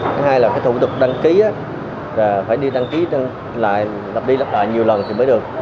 thứ hai là cái thủ tục đăng ký là phải đi đăng ký lại lập đi lắp lại nhiều lần thì mới được